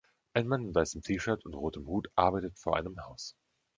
Ein Mann in weißem T-Shirt und rotem Hut arbeitet vor einem Haus.